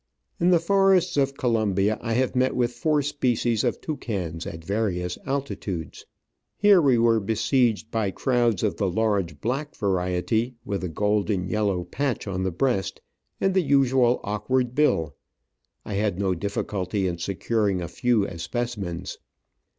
In the forests of Colombia I have met with four species of toucans at various altitudes. Here we were besieged by crowds of the large black variety, with a golden yellow patch on the breast and the usual awkward bill. I had no difficulty in securing a few as specimens.